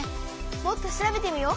もっと調べてみよう！